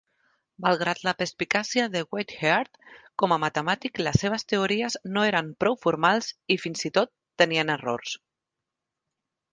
Malgrat la perspicàcia de Whitehead com a matemàtic, les seves teories no eren prou formals, i fins i tot tenien errors.